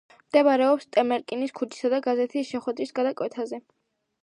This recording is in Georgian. მდებარეობს ტემერნიკის ქუჩისა და გაზეთის შესახვევის გადაკვეთაზე.